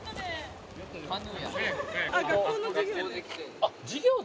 あっ授業で。